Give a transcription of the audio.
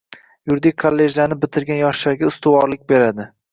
Yuridik kollejlarni bitirgan yoshlarga ustivorlik beradi!